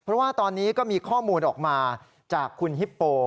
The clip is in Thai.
เพราะว่าตอนนี้ก็มีข้อมูลออกมาจากคุณฮิปโป